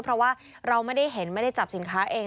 เพราะว่าเราไม่ได้เห็นไม่ได้จับสินค้าเอง